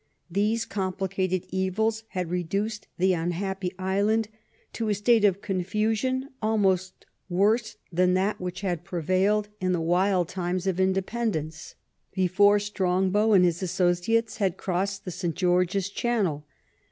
These complicated evils had reduced the unhappy island to a state of confusion almost worse than that which had prevailed in the wild times of independence, before Strongbow and his associates had crossed the St. George's Channel.